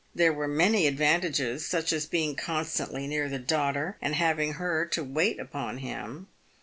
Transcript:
There were many advantages, such as being constantly near the daughter and having her to wait upon him.